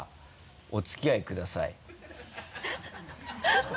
お付き合いください。